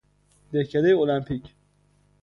دهکدهٔ المپیک